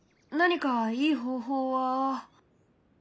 何かいい方法は。